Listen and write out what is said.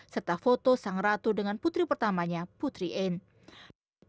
serta foto sang ratu dengan putri pertamanya putri anne